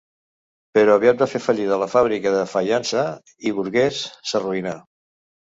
Però aviat va fer fallida la fàbrica de faiança i Burguès s'arruïnà.